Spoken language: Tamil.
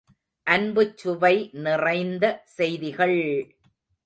அன்புச்சுவை நிறைந்த செய்திகள்!